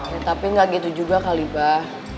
ya tapi gak gitu juga kali bah